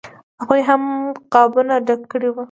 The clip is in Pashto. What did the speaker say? هغوی هم قابونه ډک کړي وو.